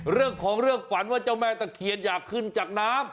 เรื่องของเรื่องฝันว่าเจ้าแม่ตะเคียนอยากขึ้นจากน้ำ